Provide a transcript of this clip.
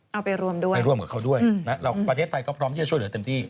เอาไปรวมด้วยไปร่วมกับเขาด้วยนะเราประเทศไทยก็พร้อมที่จะช่วยเหลือเต็มที่